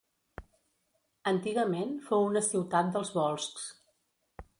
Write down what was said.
Antigament fou una ciutat dels volscs.